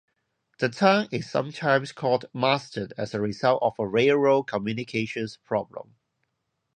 The town is sometimes called Marsden as a result of a railroad communications problem.